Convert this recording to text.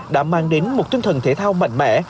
đã mang đến một tinh thần thể thao mạnh mẽ